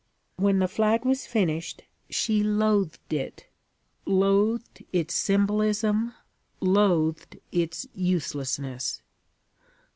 When the flag was finished, she loathed it: loathed its symbolism, loathed its uselessness.